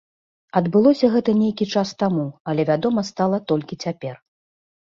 Адбылося гэта нейкі час таму, але вядома стала толькі цяпер.